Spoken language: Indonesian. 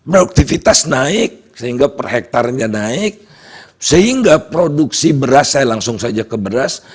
produktivitas naik sehingga per hektarnya naik sehingga produksi beras saya langsung saja ke beras